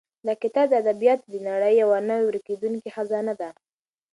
دا کتاب د ادبیاتو د نړۍ یوه نه ورکېدونکې خزانه ده.